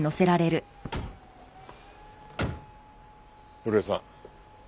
古江さん